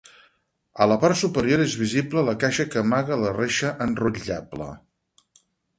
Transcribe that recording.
A la part superior és visible la caixa que amaga la reixa enrotllable.